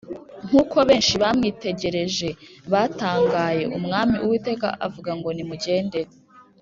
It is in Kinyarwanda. Nk uko benshi bamwitegereje batangayeUmwami Uwiteka avuga ngo Nimugende